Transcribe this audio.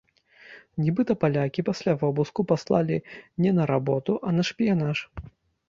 Нібыта палякі пасля вобыску паслалі не на работу, а на шпіянаж.